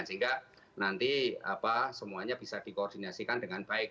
sehingga nanti semuanya bisa dikoordinasikan dengan baik